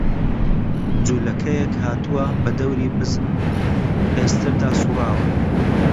جوولەکەیەک هاتووە، بە دەوری بزن ئێستردا سووڕاوە